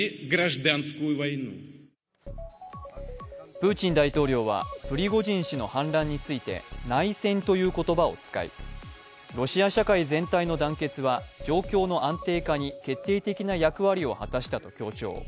プーチン大統領はプリゴジン氏の反乱について内戦という言葉を使いロシア社会全体の団結は状況の安定化に決定的な役割を果たしたと強調。